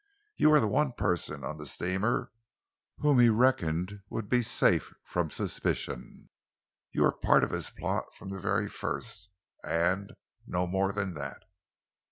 You were the one person on the steamer whom he reckoned would be safe from suspicion. You were part of his plot from the very first, and no more than that."